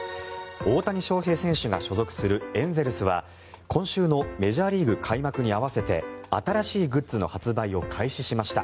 大谷翔平選手が所属するエンゼルスは今週のメジャーリーグの開幕に合わせて新しいグッズの発売を開始しました。